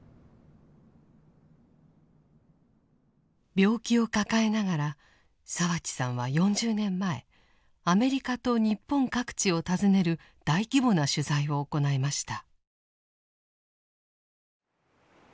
病気を抱えながら澤地さんは４０年前アメリカと日本各地を訪ねる大規模な取材を行いました。